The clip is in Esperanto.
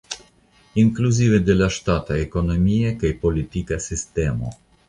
Inkluzive de la ŝtata ekonomia kaj politika sistemo.